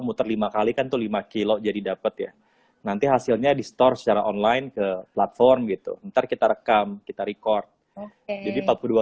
muter lima kali kan tuh lima kilo jadi dapet ya nanti hasilnya di store secara online ke platform gitu